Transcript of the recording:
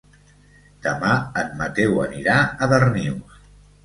Demà en Mateu anirà a Darnius.